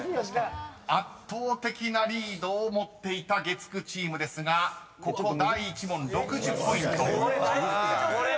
［圧倒的なリードを持っていた月９チームですがここ第１問６０ポイント］だいぶ緊張するよこれ。